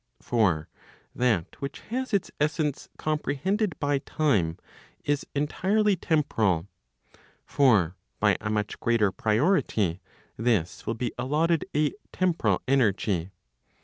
For that which has its essence comprehended by time, is entirely temporal. For by a much greater priority, this will be allotted a temporal energy.